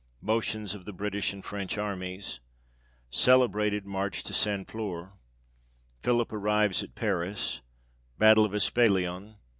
Motions of the British and French armies. Celebrated march to St. Flour. Philip arrives at Paris. Battle of Espalion.